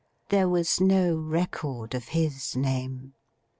There was no record of his name.